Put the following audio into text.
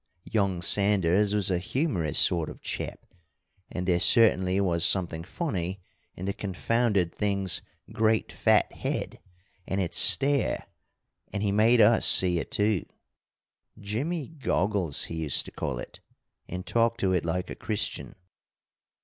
Young Sanders was a humorous sort of chap, and there certainly was something funny in the confounded thing's great fat head and its stare, and he made us see it too. 'Jimmie Goggles,' he used to call it, and talk to it like a Christian.